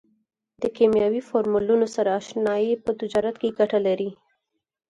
د کیمیاوي فورمولونو سره اشنایي په تجارت کې ګټه لري.